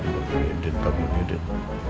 pak muhyiddin pak muhyiddin